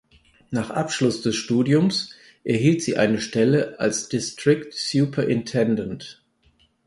Nach Abschluss des Studiums erhielt sie eine Stelle als District Superintendent.